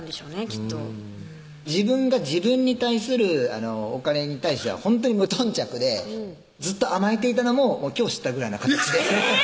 きっと自分が自分に対するお金に対してはほんとに無頓着でずっと甘えていたのも今日知ったぐらいなえぇ⁉